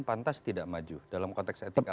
pantas tidak maju dalam konteks etik apa yang ditanyakan